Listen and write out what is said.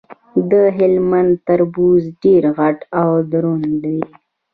د هلمند تربوز ډیر غټ او دروند وي.